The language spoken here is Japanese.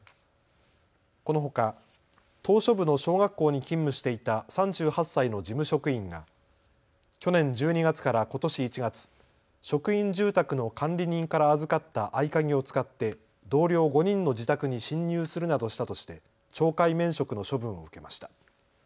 このほか島しょ部の小学校に勤務していた３８歳の事務職員が去年１２月からことし１月、職員住宅の管理人から預かった合鍵を使って同僚５人の自宅に侵入するなどしたとして懲戒免職の処分を受けました。